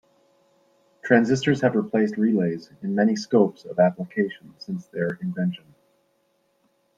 Transistors have replaced relays in many scopes of application since their invention.